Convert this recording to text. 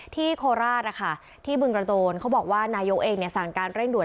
ที่โคลราชนะคะที่บึงกระโตนเขาบอกว่านายโยเองเนี่ยสั่งการเร่งด่วย